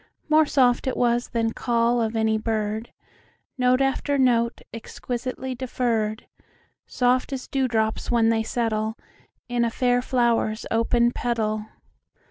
More soft it was than call of any bird, Note after note, exquisitely deferr'd, Soft as dew drops when they settleIn a fair flower's open petal.